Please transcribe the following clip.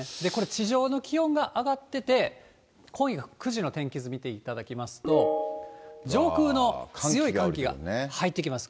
地上の気温が上がってて、今夜９時の天気図見ていただきますと、上空の強い寒気が入ってきます。